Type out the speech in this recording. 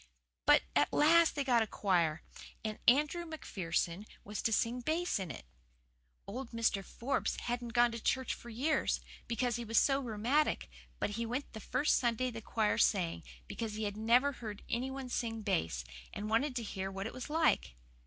But at last they got a choir, and Andrew McPherson was to sing bass in it. Old Mr. Forbes hadn't gone to church for years, because he was so rheumatic, but he went the first Sunday the choir sang, because he had never heard any one sing bass, and wanted to hear what it was like.